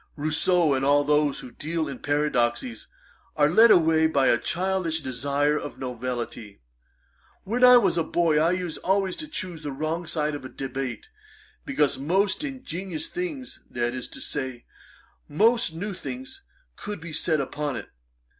Rousseau, and all those who deal in paradoxes, are led away by a childish desire of novelty. When I was a boy, I used always to choose the wrong side of a debate, because most ingenious things, that is to say, most new things, could be said upon it.